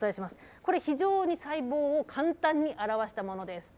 これ、非常に細胞を簡単に表したものです。